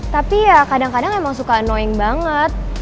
tapi ya kadang kadang emang suka noing banget